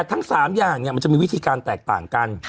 แต่ก็จะมีวิธีการแตกต่างกัน